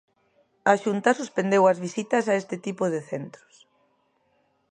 A Xunta suspendeu as visitas a este tipo de centros...